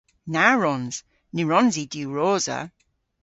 Na wrons! Ny wrons i diwrosa.